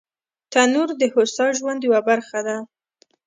تنور د هوسا ژوند یوه برخه ده